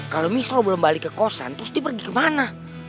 kalau misal belum balik ke kosan terus dia pergi kemana